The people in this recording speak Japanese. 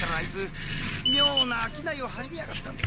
妙な商いを始めやがって。